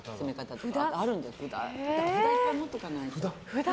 やっぱり札、持っておかないと。